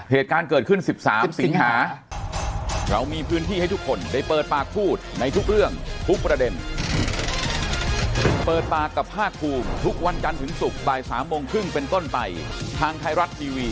เหตุการณ์เกิดขึ้น๑๓สิงหา